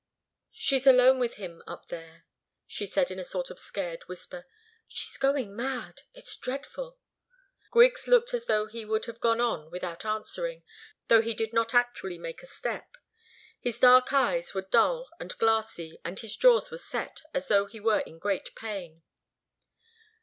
"She's alone with him, up there," she said in a sort of scared whisper. "She's going mad it's dreadful." Griggs looked as though he would have gone on without answering, though he did not actually make a step. His dark eyes were dull and glassy, and his jaws were set, as though he were in great pain.